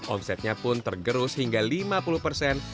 omsetnya pun tergerus hingga lima puluh persen